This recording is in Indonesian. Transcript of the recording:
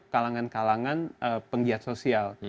kalangan kalangan penggiat sosial